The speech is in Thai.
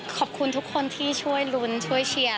ขอบคุณทุกคนที่ช่วยลุ้นช่วยเชียร์